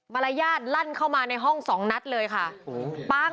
มารยาทลั่นเข้ามาในห้องสองนัดเลยค่ะ